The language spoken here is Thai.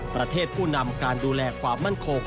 ประเทศผู้นำการดูแลความมั่นโคก